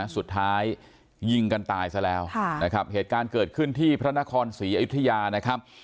สุดท้ายยิงกันตายซะแล้วนะครับเหตุการณ์เกิดขึ้นที่พระนครศรีอยุธยานะครับ